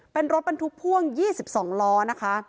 เป็นรถบรรทุกพ่วง๒๒ล้อนะคะ